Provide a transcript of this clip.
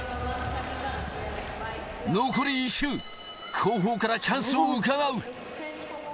残り１周、後方からチャンスをうかがう。